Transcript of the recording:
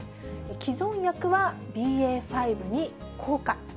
既存薬はＢＡ．５に効果。